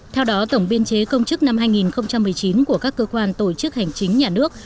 theo đó tổng biên chế công chức năm hai nghìn một mươi chín của các cơ quan tổ chức hành chính nhà nước